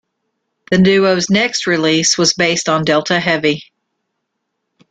The duo's next release was based on "Delta Heavy".